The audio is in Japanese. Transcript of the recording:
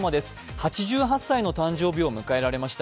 ８８歳の誕生日を迎えられました。